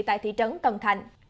tại thị trấn cần thạnh